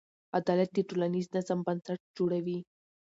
عدالت د ټولنیز نظم بنسټ جوړوي.